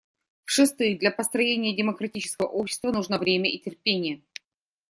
В-шестых, для построения демократического общества нужно время и терпение.